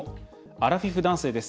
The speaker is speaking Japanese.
アラフィフ男性です。